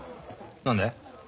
何で？